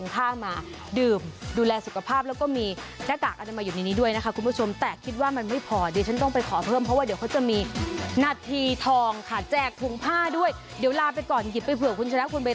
ค่ะเดี๋ยวลาไปก่อนหยิบไปเผื่อคุณ